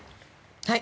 はい。